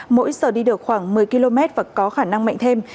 mỗi giờ đi được khoảng một mươi km và có khả năng mạnh thêm